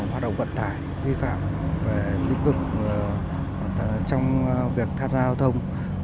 hoạt động vận tải vi phạm về lĩnh vực trong việc tham gia giao thông